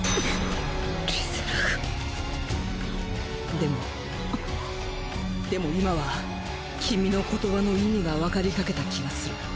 でもでも今は君の言葉の意味がわかりかけた気がする。